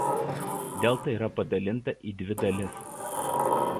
Delta yra padalinta į dvi dalis.